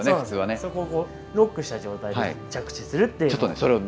そこをロックした状態で着地する。